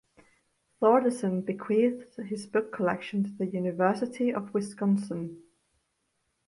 Thordarson bequeathed his book collection to the University of Wisconsin.